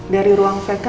dari ruang pk